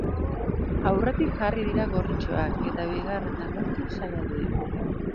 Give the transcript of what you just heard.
Aurretik jarri dira gorritxoak, eta bigarrena lortzen saiatu dira.